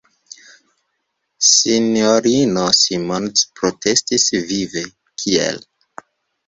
S-ino Simons protestis vive: "Kiel!"